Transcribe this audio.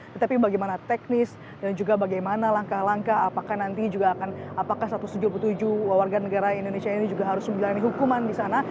tetapi bagaimana teknis dan juga bagaimana langkah langkah apakah satu ratus tujuh puluh tujuh warga negara indonesia ini juga harus mengilangi hukuman di sana